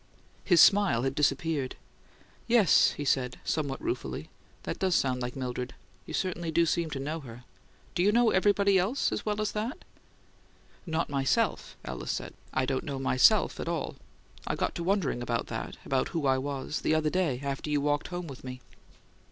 His smile had disappeared. "Yes," he said, somewhat ruefully. "That does sound like Mildred. You certainly do seem to know her! Do you know everybody as well as that?" "Not myself," Alice said. "I don't know myself at all. I got to wondering about that about who I was the other day after you walked home with me."